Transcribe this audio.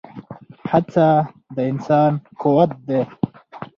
هڅه د انسان قوت دی.